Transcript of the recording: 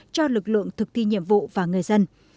cho lực lượng thực thi nhiệm vụ và người dân